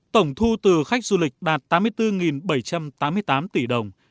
tổng thu từ khách du lịch đạt tám mươi bốn bảy trăm tám mươi tám tỷ đồng